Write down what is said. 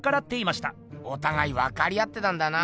おたがいわかりあってたんだな。